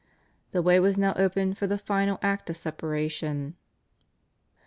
The way was now open for the final act of separation.